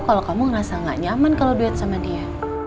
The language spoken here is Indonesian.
kalau kamu ngerasa gak nyaman kalau duet sama dia